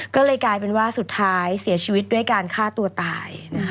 ก็เลยกลายเป็นว่าสุดท้ายเสียชีวิตด้วยการฆ่าตัวตาย